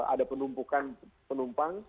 ada penumpukan penumpang